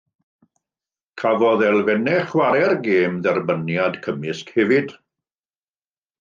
Cafodd elfennau chwarae'r gêm dderbyniad cymysg hefyd.